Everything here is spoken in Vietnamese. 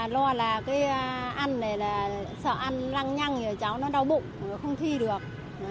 lo là ăn này sợ ăn lăng nhăng cháu nó đau bụng không thi được